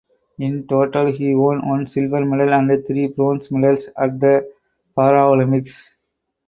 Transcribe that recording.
In total he won one silver medal and three bronze medals at the Paralympics.